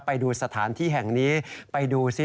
ไปดูสถานที่แห่งนี้ไปดูซิ